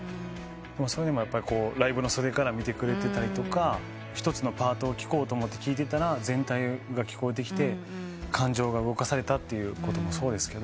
それでもライブの袖から見てくれてたりとか一つのパートを聴こうと思って聴いてたら全体が聞こえてきて感情が動かされたってことも。